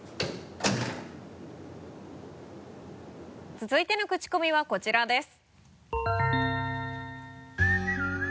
続いてのクチコミはこちらです。